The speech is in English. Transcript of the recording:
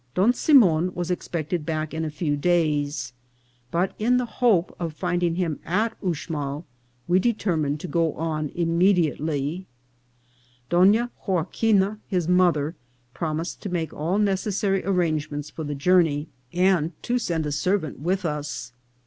Don Simon was expected back in a few days, but, in the hope of finding him at Uxmal, we determined to go on immediately. Donna Joaqui na, his mother, promised to make all necessary ar rangements for the journey, and to send a servant with 398 INCIDENTS OF TRAVEL. us.